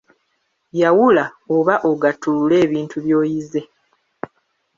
Yawula oba ogattulule ebintu by'oyize.